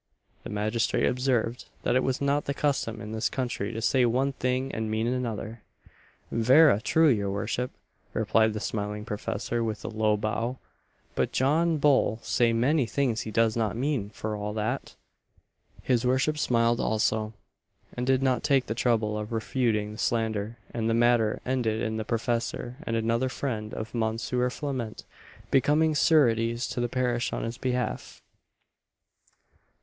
The magistrate observed, that it was not the custom in this country to say one thing and mean another "Vera true your worship," replied the smiling professor with a low bow "but John Bull say many things he does not mean, for all that." His worship smiled also, and did not take the trouble of refuting the slander; and the matter ended in the professor and another friend of Mons. Flament becoming sureties to the parish on his behalf.